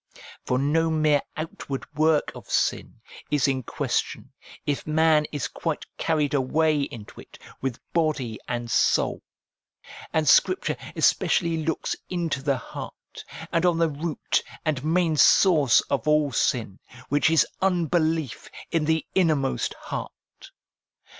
For no mere outward work of sin is in question, if man is quite carried away into it, with body and soul. And Scripture especially looks into the heart, and on the root and main source of all sin, which is unbelief in the innermost heart.